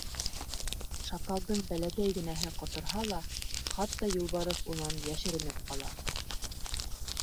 Шакалдың бәләкәй генәһе ҡоторһа ла, хатта юлбарыҫ унан йәшеренеп ҡала.